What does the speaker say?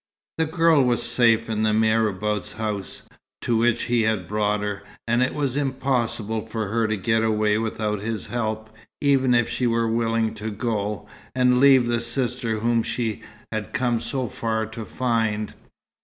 The girl was safe in the marabout's house, to which he had brought her, and it was impossible for her to get away without his help, even if she were willing to go, and leave the sister whom she had come so far to find.